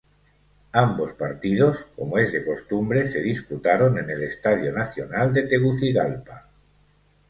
Ambos partidos -como es de costumbre- se disputaron en el Estadio Nacional de Tegucigalpa.